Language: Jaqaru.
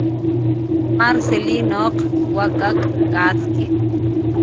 Marcilinuq wak'ak katki